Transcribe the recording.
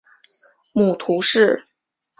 母屠氏。